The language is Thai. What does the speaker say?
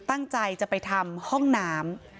ตั้งใจจะไปทำห้องน้ำ